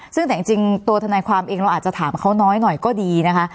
ซึ่งแต่จริงตัวทนายความเองเราอาจจะถามเขาน้อยหน่อยก็ดีนะคะ